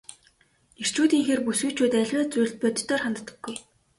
Эрчүүдийнхээр бүсгүйчүүд аливаа зүйлд бодитоор ханддаггүй.